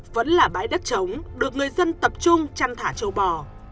vẫn là bãi đất trống được người dân tập trung chăn thả châu bò